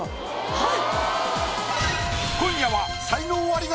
はい。